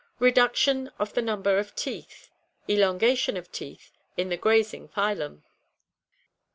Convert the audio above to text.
Reduction of the num ber of teeth. Elongation of teeth in the grazing phylum.